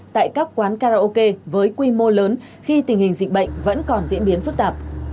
tại các quán karaoke với quy mô lớn khi tình hình dịch bệnh vẫn còn diễn biến phức tạp